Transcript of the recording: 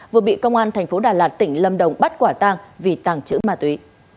vừa bị công an tp đà lạt tỉnh lâm đồng bắt quả tang vì tàng trữ ma túy